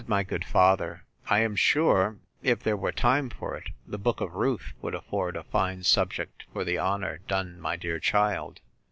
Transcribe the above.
Said my good father, I am sure, if there were time for it, the book of Ruth would afford a fine subject for the honour done my dear child.